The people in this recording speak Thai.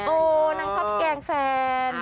โอ้นั่งชอบแกล้งแฟน